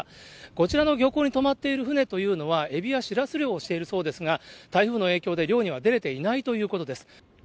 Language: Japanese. こちらの漁港に止まっている船というのは、エビやシラス漁をしているそうですが、台風の影響で漁には出れていないということです。